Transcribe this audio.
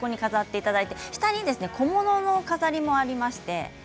テーブルの下に小物の飾りもあります。